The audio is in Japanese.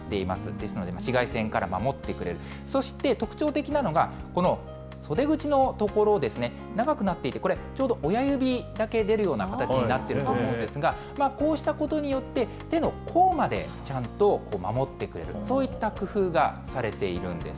ですので、紫外線から守ってくれる、そして、特徴的なのが、この袖口の所ですね、長くなっていて、これ、ちょうど親指だけ出るような形になっていると思うんですが、こうしたことによって、手の甲までちゃんと守ってくれる、そういった工夫がされているんです。